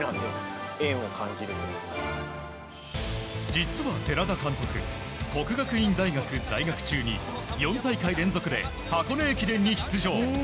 実は寺田監督國學院大學在学中に４大会連続で箱根駅伝に出場。